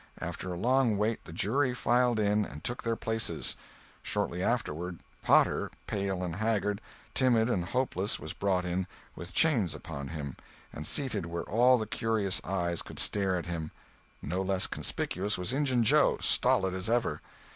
After a long wait the jury filed in and took their places; shortly afterward, Potter, pale and haggard, timid and hopeless, was brought in, with chains upon him, and seated where all the curious eyes could stare at him; no less conspicuous was Injun Joe, stolid as ever.